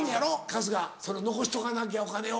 春日残しとかなきゃお金を。